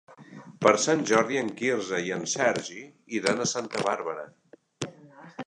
Per Sant Jordi en Quirze i en Sergi iran a Santa Bàrbara.